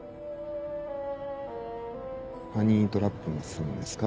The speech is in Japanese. ハニートラップもするんですか？